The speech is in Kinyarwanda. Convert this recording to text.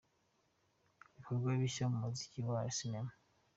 Ibikorwa bishya mu muziki na sinema.